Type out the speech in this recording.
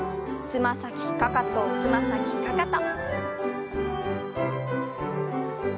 つま先かかとつま先かかと。